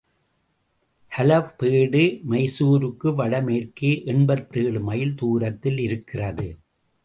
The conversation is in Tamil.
ஹலபேடு மைசூருக்கு வட மேற்கே எண்பத்தேழு மைல் தூரத்தில் இருக்கிறது.